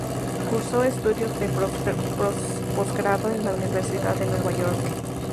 Cursó estudios de posgrado en la Universidad de Nueva York.